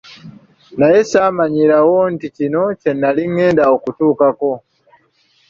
Naye saamanyirawo nti kino kye nnali ngenda okutuukako.